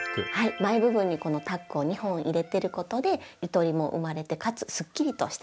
前部分にこのタックを２本入れてることでゆとりも生まれてかつすっきりとしたラインになっています。